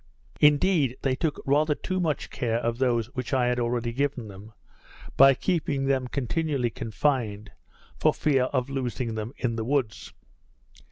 Indeed, they took rather too much care of those which I had already given them, by keeping them continually confined, for fear of losing them in the woods.